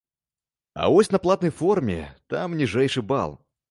А вось на платнай форме, там ніжэйшы бал.